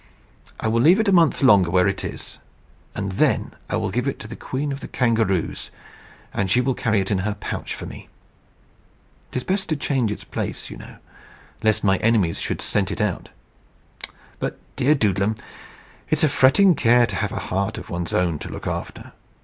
"I will leave it a month longer where it is, and then I will give it to the Queen of the Kangaroos, and she will carry it in her pouch for me. It is best to change its place, you know, lest my enemies should scent it out. But, dear Doodlem, it's a fretting care to have a heart of one's own to look after.